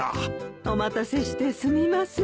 お待たせしてすみません。